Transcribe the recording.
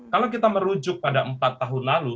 kalau kita merujuk pada empat tahun lalu